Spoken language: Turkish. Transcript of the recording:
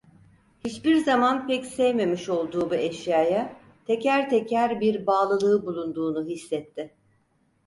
Hiçbir zaman pek sevmemiş olduğu bu eşyaya teker teker bir bağlılığı bulunduğunu hissetti.